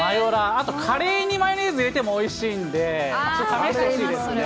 あとカレーにマヨネーズ入れてもおいしいんで、試してほしいです。